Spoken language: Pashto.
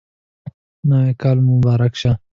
نوی کال مو مبارک شه